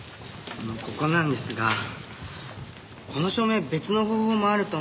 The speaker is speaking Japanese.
あのここなんですがこの証明別の方法もあると思うんです。